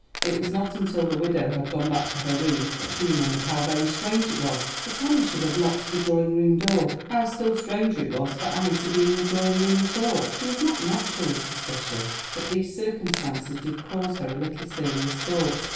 It was not until the widow had gone back to her room that she remembered how very strange it was that Annie should have locked the drawing room door, how still stranger it was for Annie to be in the drawing room at all. She was not naturally suspicious: but these circumstances did cause her a little serious thought.